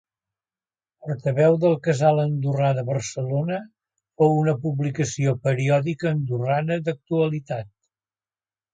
Portaveu del Casal Andorrà de Barcelona fou una publicació periòdica andorrana d'actualitat.